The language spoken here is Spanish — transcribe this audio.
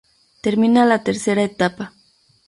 Termina la tercera etapa.